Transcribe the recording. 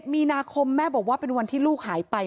มีนาคมแม่บอกว่าเป็นวันที่ลูกหายไป